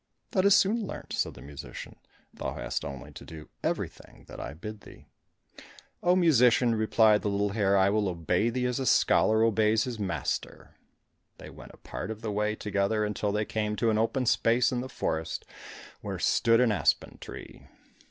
"That is soon learnt," said the musician, "thou hast only to do everything that I bid thee." "Oh, musician," replied the little hare, "I will obey thee as a scholar obeys his master." They went a part of the way together until they came to an open space in the forest, where stood an aspen tree.